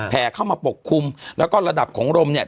แผลเข้ามาปกคลุมแล้วก็ระดับของลมเนี่ย